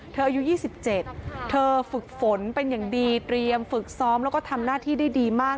อายุ๒๗เธอฝึกฝนเป็นอย่างดีเตรียมฝึกซ้อมแล้วก็ทำหน้าที่ได้ดีมาก